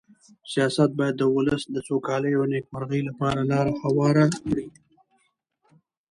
سیاست باید د ولس د سوکالۍ او نېکمرغۍ لپاره لاره هواره کړي.